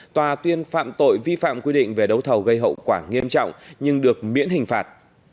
tòa tuyên phạm tội vi phạm quy định về đấu thầu gây hậu quả nghiêm trọng nhưng được miễn hình phạt